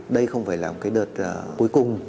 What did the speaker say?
đây không phải là một cái đợt cuối cùng